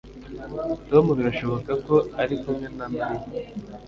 Tom birashoboka ko ari kumwe na Mariya